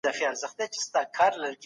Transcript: نفسي غریزو ته تسلیمي نه ښودل کېږي.